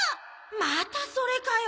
またそれかよ！